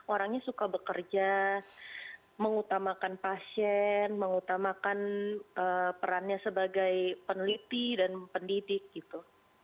orangnya suka bekerja mengutamakan pasien mengutamakan perannya sebagai peneliti dan pendidik gitu